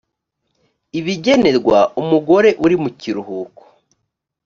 ibigenerwa umugore uri mu kiruhuko